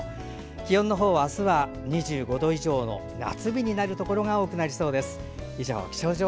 気温は２５度以上の夏日になるところが多くなりそうです。